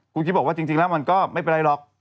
คุณกิ๊บบอกว่าจริงแล้วมันก็ไม่เป็นไรหรอก